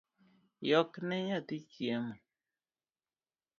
Yokne nyathi chiemo